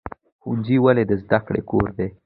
ښوونځی ولې د زده کړې کور دی؟